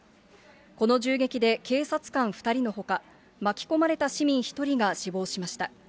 この銃撃で警察官２人のほか、巻き込まれた市民１人が死亡しました。